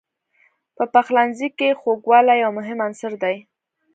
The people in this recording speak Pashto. په پخلنځي کې خوږوالی یو مهم عنصر دی.